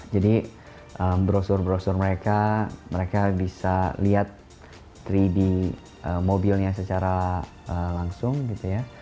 jadi brosur brosur mereka mereka bisa lihat tiga d mobilnya secara langsung gitu ya